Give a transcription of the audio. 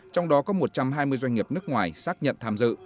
trong đó có một trăm hai mươi doanh nghiệp nước ngoài xác nhận tham dự